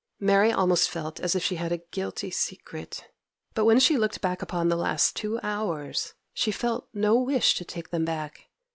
Mary almost felt as if she had a guilty secret. But when she looked back upon the last two hours, she felt no wish to take them back.